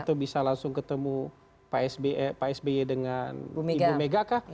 atau bisa langsung ketemu pak sby dengan ibu mega kah